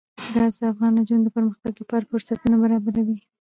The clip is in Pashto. ګاز د افغان نجونو د پرمختګ لپاره فرصتونه برابروي.